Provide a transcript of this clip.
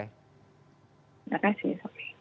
terima kasih sofie